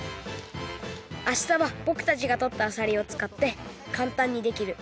明日はぼくたちがとったあさりをつかってかんたんにできる